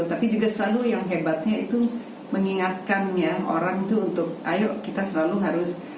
tapi juga selalu yang hebatnya itu mengingatkan ya orang itu untuk ayo kita selalu harus